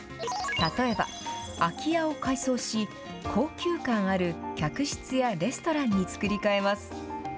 例えば、空き家を改装し高級感ある客室やレストランに作り替えます。